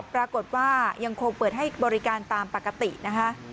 ปรากฏว่ายังคงเปิดให้บริการตามปกตินะคะ